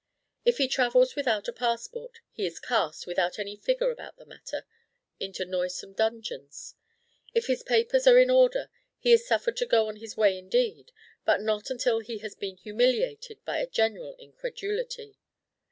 If he travels without a passport, he is cast, without any figure about the matter, into noisome dungeons: if his papers are in order, he is suffered to go his way indeed, but not until he has been humiliated by a general incredulity.